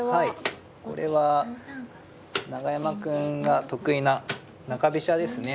これは永山くんが得意な中飛車ですね。